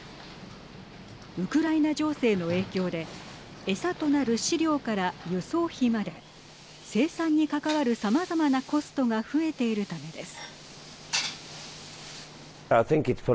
ウクライナ情勢の影響でエサとなる飼料から輸送費まで生産に関わるさまざまなコストが増えているためです。